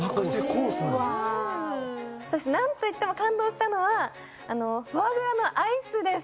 そしてなんといっても感動したのはフォアグラのアイスです。